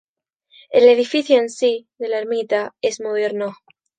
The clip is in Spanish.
El edificio en sí de la ermita es moderno.